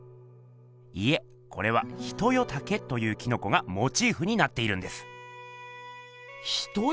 いえこれは「ヒトヨタケ」というキノコがモチーフになっているんです。